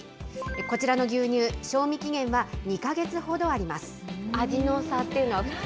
こちらの牛乳、賞味期限は２か月ほどあります。